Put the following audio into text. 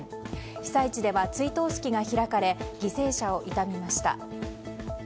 被災地では追悼式が開かれ犠牲者を悼みました。